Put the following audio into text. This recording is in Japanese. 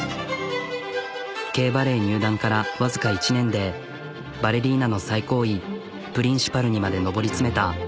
バレエ入団からわずか１年でバレリーナの最高位プリンシパルにまで上り詰めた。